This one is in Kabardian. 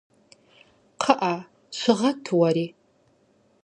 КхъыӀэ, щыгъэт уэри!